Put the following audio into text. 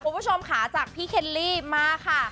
คุณผู้ชมค่ะจากพี่เคลลี่มาค่ะ